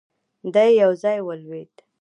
دی يو ځای ولوېد.